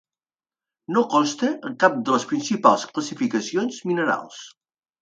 No consta en cap de les principals classificacions minerals.